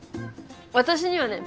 私にはね